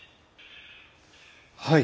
はい。